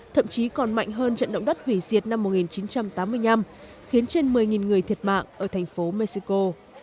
thậm chí còn mạnh hơn trận động đất hủy diệt năm một nghìn chín trăm tám mươi năm khiến trên một mươi người thiệt mạng ở thành phố mexico